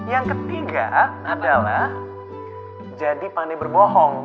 yang ketiga adalah jadi pandai berbohong